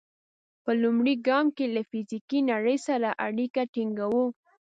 په لومړي ګام کې له فزیکي نړۍ سره اړیکه ټینګوو.